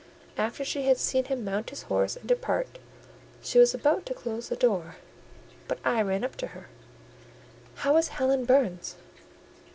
After she had seen him mount his horse and depart, she was about to close the door, but I ran up to her. "How is Helen Burns?"